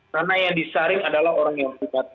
karena yang disaring adalah orang yang punya tas